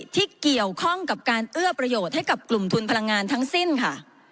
ที่เกี่ยวข้องกับการเอื้อประโยชน์ให้กับกลุ่มทุนพลังงานทั้งสิ้นค่ะ